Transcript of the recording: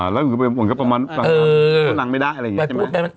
แล้วเหมือนกับประมาณหลังไม่ได้อะไรอย่างนี้ใช่ไหม